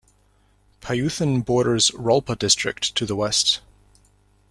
Pyuthan borders "Rolpa district" to the west.